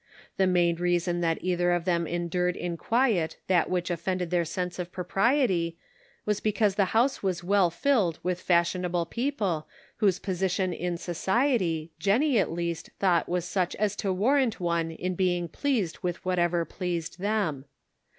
The main reason that either of them endured in quiet that which offended their sense of propriety, was because the house was well filled with fashionable people whose position in society Jennie at least thought was such as to warrant one in being pleased with whatever pleased them.